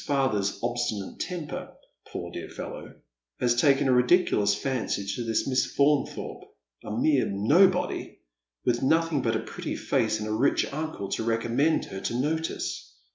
185 hag hie father's obBtinate temper, poor dear fellow, has taken a ridiculous fancy to this Miss Faunthorpe, a mere nobody, with nothing but a pretty face and a rich uncle to reco mm end her to notice.